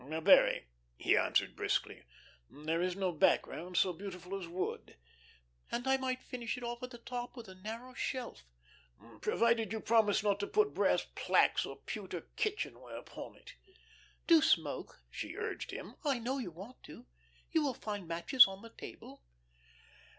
"Very," he answered, briskly. "There is no background so beautiful as wood." "And I might finish it off at the top with a narrow shelf." "Provided you promised not to put brass 'plaques' or pewter kitchen ware upon it." "Do smoke," she urged him. "I know you want to. You will find matches on the table."